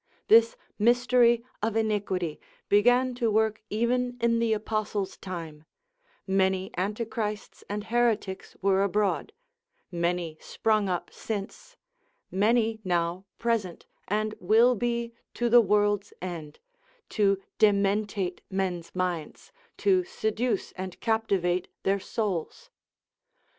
This mystery of iniquity began to work even in the Apostles' time, many Antichrists and heretics' were abroad, many sprung up since, many now present, and will be to the world's end, to dementate men's minds, to seduce and captivate their souls.